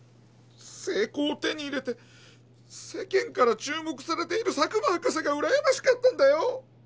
成功を手に入れて世間から注目されている佐久間博士がうらやましかったんだよ。